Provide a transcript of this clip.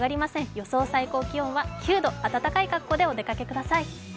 予想最高気温は９度、暖かい格好でお出かけください。